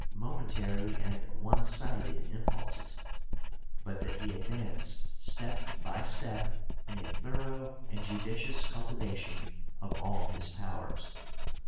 } (331) momentary and one sided impulses; but that he advanced step by step in a thorough and judicious cultivation of all his powers.